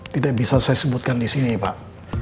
tidak bisa saya sebutkan disini pak